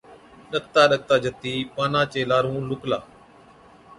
ڏڪتا ڏڪتا جتِي پانان چي لارُون لُڪلا۔